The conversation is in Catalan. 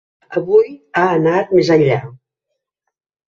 Avui ha anat més enllà.